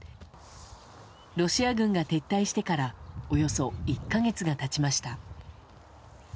ロシア軍が撤退してからおよそ１か月が経ちました。